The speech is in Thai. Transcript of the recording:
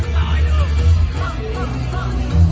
มันเป็นเมื่อไหร่แล้ว